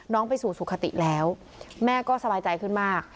ไปสู่สุขติแล้วแม่ก็สบายใจขึ้นมาก